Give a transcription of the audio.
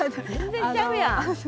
全然ちゃうやん。